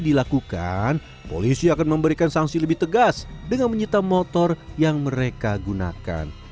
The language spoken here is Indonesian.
dilakukan polisi akan memberikan sanksi lebih tegas dengan menyita motor yang mereka gunakan